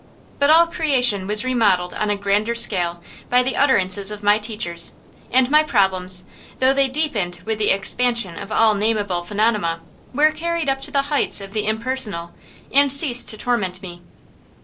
But all creation was remodelled on a grander scale by the utterances of my teachers; and my problems, though they deepened with the expansion of all nameable phenomena, were carried up to the heights of the impersonal, and ceased to torment me.